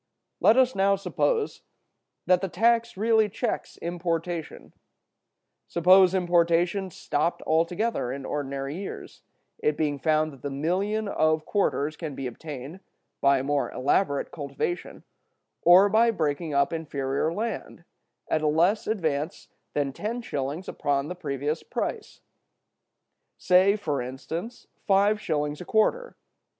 Let us now suppose that the tax really checks importation. Suppose importation stopped altogether in ordinary years; it being found that the million of quarters can be obtained, by a more elaborate cultivation, or by breaking up inferior land, at a less advance than ten shillings upon the previous price—say, for instance, five shillings a quarter.